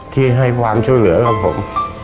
ที่ให้ความช่วยเหลือกับผม